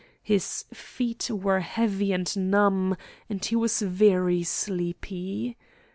His feet were heavy and numb, and he was very sleepy.